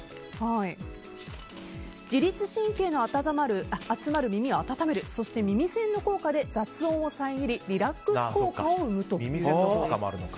自律神経の集まる耳を温めるそして、耳栓の効果で雑音を遮りリラックス効果を生むということです。